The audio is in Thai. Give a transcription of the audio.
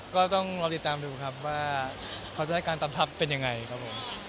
ก็ต้องรอติดตามดูครับว่าเขาจะให้การตำทัพเป็นยังไงครับผม